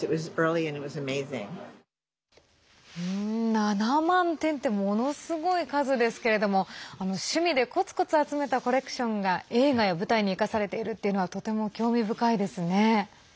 ７万点ってものすごい数ですけれども趣味でこつこつ集めたコレクションが映画や舞台に生かされているというのはとても興味深いですね。